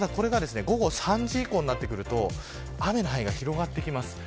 ただこれが午後３時以降になると雨の範囲が広がります。